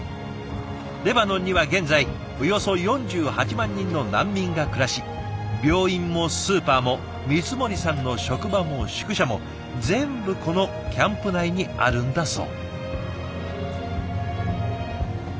レバノンには現在およそ４８万人の難民が暮らし病院もスーパーも光森さんの職場も宿舎も全部このキャンプ内にあるんだそう。